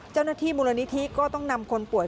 เจ้าหน้าที่มูลนิธิก็ต้องนำคนป่วย